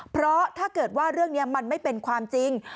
เพราะถ้าเกิดว่าเรื่องนี้มันไม่เป็นความจริง